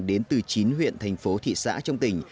đến từ chín huyện thành phố thị xã trong tỉnh